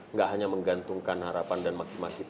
nggak hanya menggantungkan harapan dan maki maki